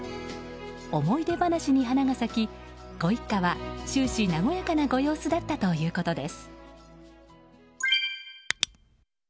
思い出話に花が咲きご一家は、終始和やかなご様子だったということです。